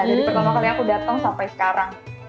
jadi pertama kali aku datang sampai sekarang